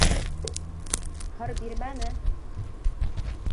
Һыр бирмәне: